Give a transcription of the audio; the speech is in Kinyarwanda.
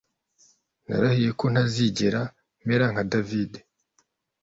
Narahiye ko ntazigera mera nka David